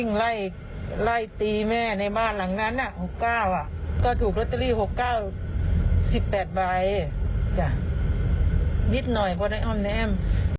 นิดหน่อยพอได้อ้อมแนม